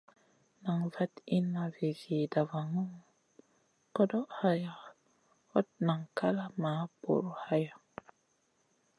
Nan vaɗ inna vi zida vanu, koɗoʼ hayaʼa, hot nan kal man bur haya.